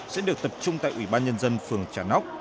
sẽ được tập trung tại ủy ban nhân dân phường trà nóc